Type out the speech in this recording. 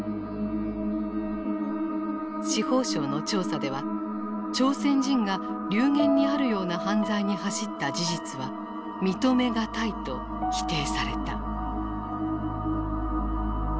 司法省の調査では朝鮮人が流言にあるような犯罪に走った事実は認めがたいと否定された。